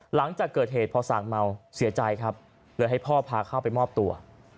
หลังจากเกิดเหตุพอสั่งเมาเสียใจครับเลยให้พ่อพาเข้าไปมอบตัว